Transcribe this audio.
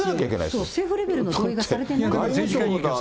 そう、政府レベルの同意がされてない。